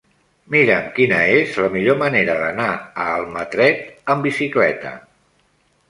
Mira'm quina és la millor manera d'anar a Almatret amb bicicleta.